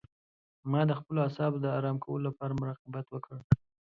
ما د خپلو اعصابو د آرام کولو لپاره مراقبت وکړ.